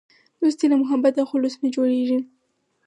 دوستي له محبت او خلوص نه جوړیږي.